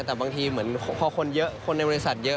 แต่บางทีเหมือนพอคนเยอะคนในบริษัทเยอะ